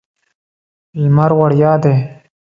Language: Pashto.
لمر وړیا دی.